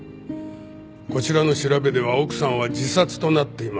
こちらの調べでは奥さんは自殺となっています。